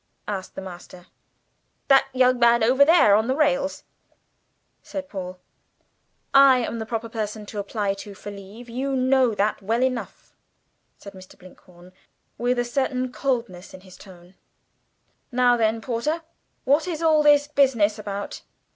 asked the master. "That young man over there on the rails," said Paul. "I am the proper person to apply to for leave; you know that well enough," said Mr. Blinkhorn, with a certain coldness in his tone. "Now then, Porter, what is all this business about?"